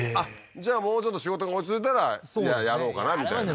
じゃあもうちょっと仕事が落ち着いたらやろうかなみたいなあれはね